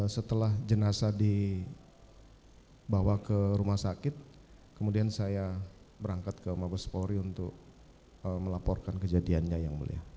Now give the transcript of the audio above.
setelah jenazah dibawa ke rumah sakit kemudian saya berangkat ke mabes polri untuk melaporkan kejadiannya yang mulia